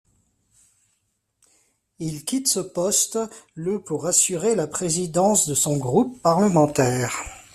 Il quitte ce poste le pour assurer la présidence de son groupe parlementaire.